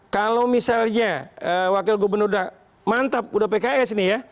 kalau misalnya wakil gubernur udah mantap udah pks nih ya